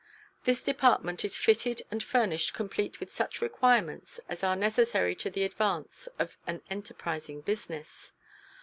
This department is fitted and furnished complete with such requirements as are necessary to the advance of an enterprising business.